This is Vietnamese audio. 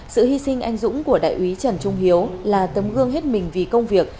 sự hy sinh anh dũng của đại úy trần trung hiếu là tấm gương hết mình vì công việc